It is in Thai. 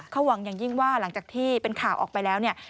เขาหวังอย่างยิ่งว่าหลังจากที่เป็นข่าวออกไปแล้วเนี่ย